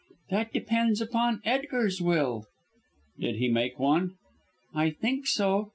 "That depends upon Edgar's will." "Did he make one?" "I think so.